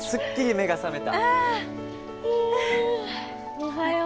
おはよう。